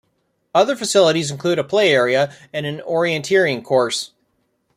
Other facilities include a play area and an orienteering course.